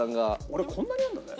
俺こんなにあるんだね。